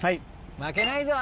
負けないぞ！